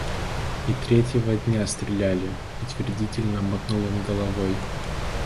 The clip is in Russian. И третьего дня стреляли, — утвердительно мотнул он головой.